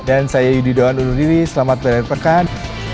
dan saya yudi doan undur diri selamat berantakan